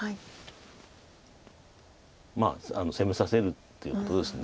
まあ攻めさせるということです。